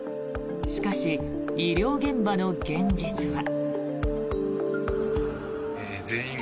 しかし、医療現場の現実は。